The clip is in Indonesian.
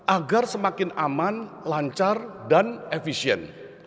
agar semakin aman lancar dan efisien